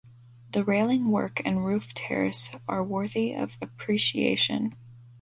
The railing work and roof terrace are worthy of appreciation.